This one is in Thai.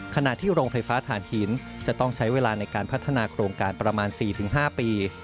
ขณะที่โรงไฟฟ้าฐานหินจะต้องใช้เวลาในการพัฒนาโครงการประมาณ๔๕ปี